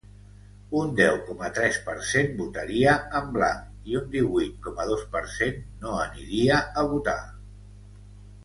Un deu coma tres per cent votaria en blanc i un divuit coma dos per cent no aniria a votar.